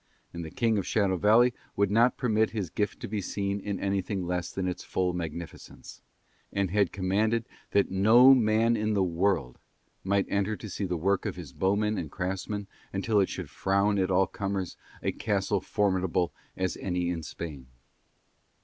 And the King of Shadow Valley would not permit his gift to be seen in anything less than its full magnificence, and had commanded that no man in the world might enter to see the work of his bowmen and craftsmen until it should frown at all comers a castle formidable as any in Spain.